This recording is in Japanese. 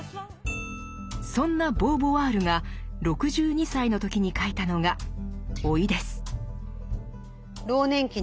そんなボーヴォワールが６２歳の時に書いたのが「老い」です。